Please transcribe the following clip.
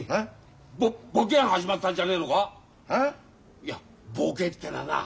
いやボケってのはな